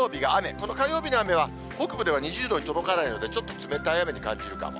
この火曜日の雨は、北部では２０度に届かないので、ちょっと冷たい雨に感じるかも。